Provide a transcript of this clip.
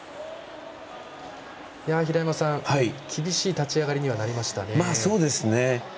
平山さん、厳しい立ち上がりにはなりましたね。